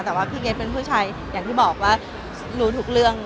แต่ว่าพี่เก็ตเป็นผู้ชายอย่างที่บอกว่ารู้ทุกเรื่อง